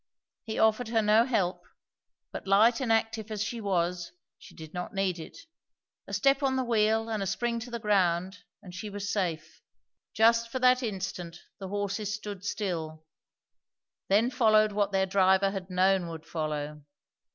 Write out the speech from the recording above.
He offered her no help; but light and active as she was she did not need it; a step on the wheel and a spring to the ground, and she was safe. Just for that instant the horses stood still; then followed what their driver had known would follow.